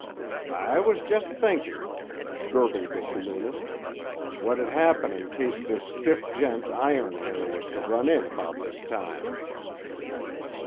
"I was just thinking," gurgled the saloonist, "what 'ud happen in case this stiff gent, Iron Hair, was to run in 'bout this time."